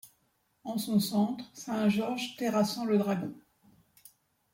En son centre saint Georges terrassant le dragon.